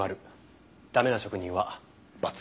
駄目な職人はバツ。